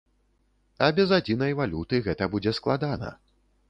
А без адзінай валюты гэта будзе складана.